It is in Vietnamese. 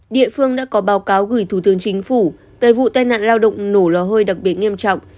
địa phương đã có báo cáo gửi thủ tướng chính phủ về vụ tai nạn lao động nổ lò hơi đặc biệt nghiêm trọng